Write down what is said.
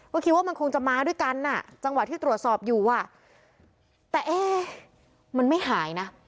ก็คิดว่ามันคงจะมาด้วยกันอ่ะจังหวะที่ตรวจสอบอยู่อ่ะแต่เอ๊ะมันไม่หายนะ